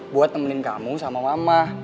buat temenin kamu sama mama